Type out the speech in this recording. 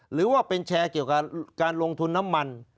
หรือว่าเป็นแชร์เกี่ยวกับการลงทุนน้ำมัน